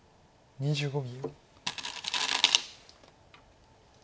２５秒。